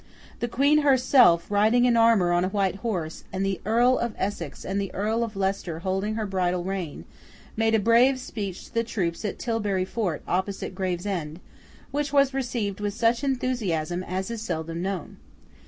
The Queen herself, riding in armour on a white horse, and the Earl of Essex and the Earl of Leicester holding her bridal rein, made a brave speech to the troops at Tilbury Fort opposite Gravesend, which was received with such enthusiasm as is seldom known.